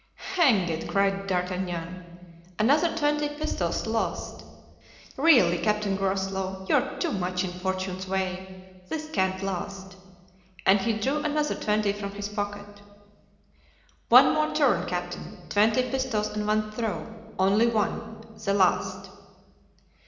"Hang it!" cried D'Artagnan, "another twenty pistoles lost. Really, Captain Groslow, you are too much in fortune's way. This can't last," and he drew another twenty from his pocket. "One more turn, captain; twenty pistoles on one throw—only one, the last."